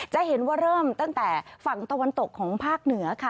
จะเห็นว่าเริ่มตั้งแต่ฝั่งตะวันตกของภาคเหนือค่ะ